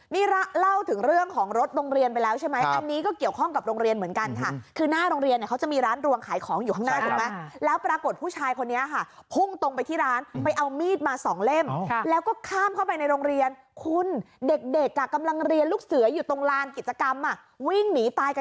นี่เล่าถึงเรื่องของรถโรงเรียนไปแล้วใช่ไหมอันนี้ก็เกี่ยวข้องกับโรงเรียนเหมือนกันค่ะคือหน้าโรงเรียนเนี่ยเขาจะมีร้านรวงขายของอยู่ข้างหน้าถูกไหมแล้วปรากฏผู้ชายคนนี้ค่ะพุ่งตรงไปที่ร้านไปเอามีดมาสองเล่มแล้วก็ข้ามเข้าไปในโรงเรียนคุณเด็กเด็กอ่ะกำลังเรียนลูกเสืออยู่ตรงลานกิจกรรมอ่ะวิ่งหนีตายกัน